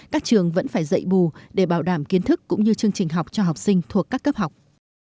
các trường vẫn phải dạy bù để bảo đảm kiến thức cũng như chương trình học cho học sinh thuộc các cấp học